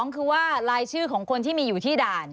คือว่ารายชื่อของคนที่มีอยู่ที่ด่าน